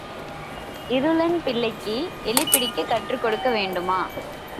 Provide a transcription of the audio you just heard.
இருளன் பிள்ளைக்கு எலி பிடிக்கக் கற்றுக் கொடுக்க வேண்டுமா?